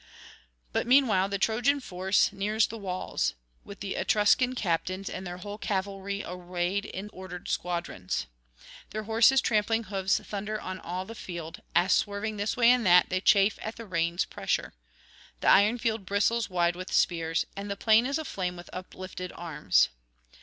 But meanwhile the Trojan force nears the walls, with the Etruscan captains and their whole cavalry arrayed in ordered squadrons. Their horses' trampling hoofs thunder on all the field, as, swerving this way and that, they chafe at the reins' pressure; the iron field bristles wide with spears, and the plain is aflame with uplifted arms.